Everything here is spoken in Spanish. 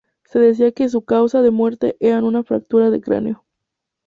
Se decía que su causa de muerte era uns fractura de cráneo.